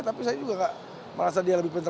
tapi saya juga tidak merasa dia lebih pintar